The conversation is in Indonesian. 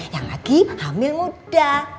yang lagi hamil muda